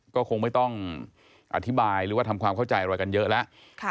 ก็คงไม่ต้องอธิบายหรือว่าทำความเข้าใจอะไรกันเยอะแล้ว